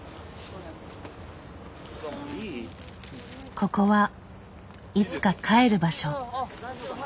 ここはいつか帰る場所。